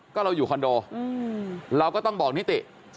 ก็เราอยู่คอนโดเราก็ต้องบอกนิติ